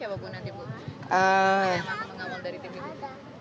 yang akan mengawal dari tim ini